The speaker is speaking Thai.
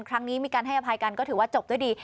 ครั้งนี้มีการให้อภัยกันก็ถือว่าจบด้วยดี